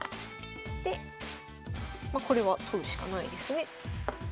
でまこれは取るしかないですね。